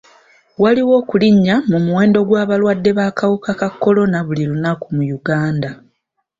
Waliwo okulinnya mu muwendo gw'abalwadde b'akawuka ka kolona buli lunaku mu Uganda.